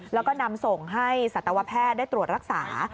แล้วก็นำส่งให้สัตวแพทย์ได้ตรวจรักษา